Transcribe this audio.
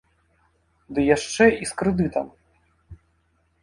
Ды яшчэ і з крэдытам.